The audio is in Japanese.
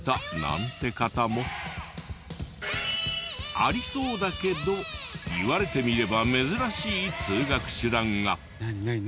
ありそうだけど言われてみれば珍しい通学手段が。